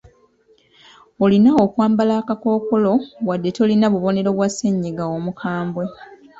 Olina okwambala akakookolo wadde tolina bubonero bwa ssennyiga omukambwe.